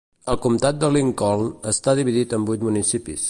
El comptat de Lincoln està dividit en vint municipis.